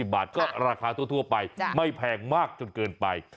บาทก็ราคาทั่วไปไม่แพงมากจนเกินไป